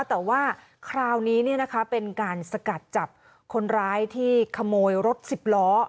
แต่ว่าคราวนี้เป็นการสกัดจับคนร้ายที่ขโมยรถ๑๐ล้อ